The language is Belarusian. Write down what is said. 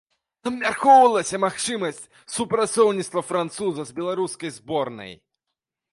Абмяркоўвалася магчымасць супрацоўніцтва француза з беларускай зборнай.